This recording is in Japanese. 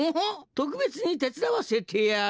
とくべつにてつだわせてやる。